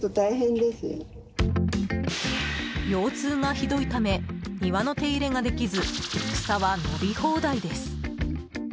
腰痛がひどいため庭の手入れができず草は伸び放題です。